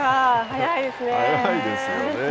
早いですね。